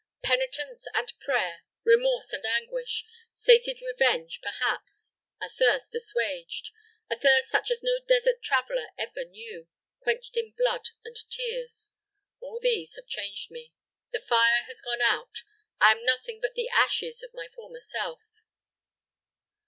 "Penitence and prayer, remorse and anguish sated revenge, perhaps a thirst assuaged a thirst such as no desert traveler ever knew, quenched in blood and tears; all these have changed me. The fire has gone out. I am nothing but the ashes of my former self."